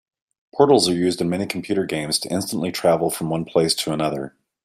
Portals are used in many computer games to instantly travel from one place to another.